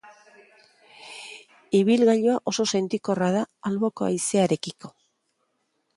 Ibilgailua oso sentikorra da alboko haizearekiko.